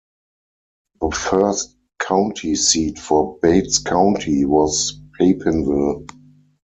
The first county seat for Bates County was Papinville.